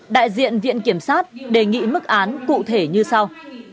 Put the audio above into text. đại diện viện kiểm sát đề nghị mức án cụ thể như sau